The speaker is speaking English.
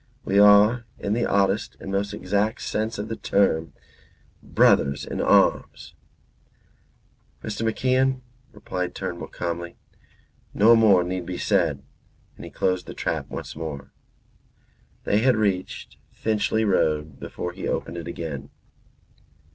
We are, in the oddest and most exact sense of the term, brothers in arms." "Mr. MacIan," replied Turnbull, calmly, "no more need be said." And he closed the trap once more. They had reached Finchley Road before he opened it again.